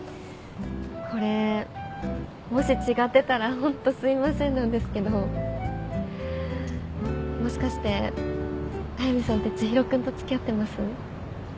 これもし違ってたらホントすいませんなんですけどもしかして速見さんって知博君と付き合ってます？